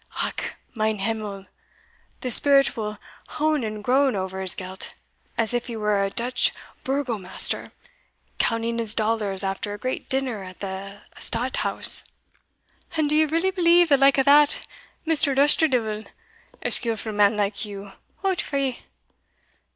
Ach, mein himmel! the spirit will hone and groan over his gelt, as if he were a Dutch Burgomaster counting his dollars after a great dinner at the Stadthaus." "And do you really believe the like o' that, Mr. Dusterdeevil! a skeelfu' man like you hout fie!"